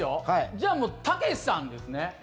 じゃあもう、たけしさんですね。